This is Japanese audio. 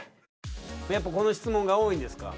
やっぱこの質問が多いんですか？